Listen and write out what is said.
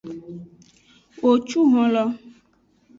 Wo cu honlo.